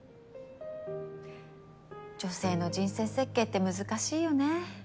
女性の人生設計って難しいよね。